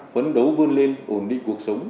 phấn đấu vươn lên ổn định cuộc sống